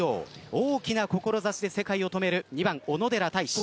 大きな志で世界を止める２番、小野寺太志。